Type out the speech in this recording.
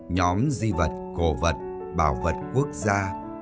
nhóm di vật cổ vật bảo vật quốc gia